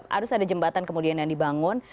harus ada jembatan kemudian yang dibangun